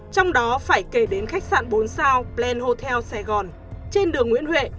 trong đó phải kể đến khách sạn bốn sao blan hotel sài gòn trên đường nguyễn huệ